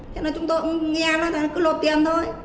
thế nên chúng tôi nghe nó cứ lột tiền thôi